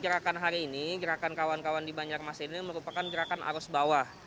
gerakan hari ini gerakan kawan kawan di banjarmasin ini merupakan gerakan arus bawah